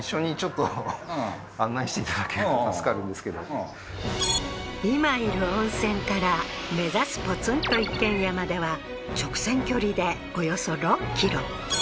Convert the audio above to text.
ああー今いる温泉から目指すポツンと一軒家までは直線距離でおよそ６ｋｍ